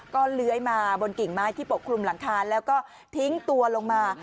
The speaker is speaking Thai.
ก็เลื้อยมาบนกิ่งไม้ที่ปกคลุมหลังคาแล้วก็ทิ้งตัวลงมา